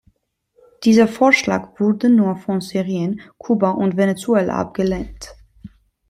Dieser Vorschlag wurde nur von Syrien, Kuba und Venezuela abgelehnt.